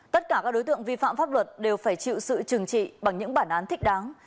tất cả các đối tượng vi phạm pháp luật đều phải chịu sự trừng trị bằng những bản án thích đáng